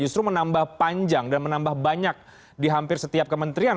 justru menambah panjang dan menambah banyak di hampir setiap kementerian